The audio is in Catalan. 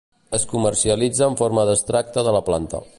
Es comercialitza en forma d'extracte de la planta.